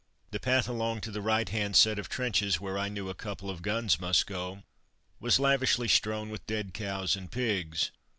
The path along to the right hand set of trenches, where I knew a couple of guns must go, was lavishly strewn with dead cows and pigs.